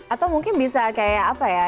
atau mungkin bisa kayak apa ya